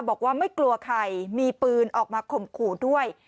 บอกว่าไม่กลัวใครมีปืนออกมาข่มขู่ด้วย